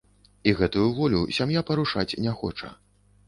І гэтую волю сям'я парушаць не хоча.